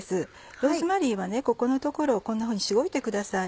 ローズマリーはここの所をこんなふうにしごいてください。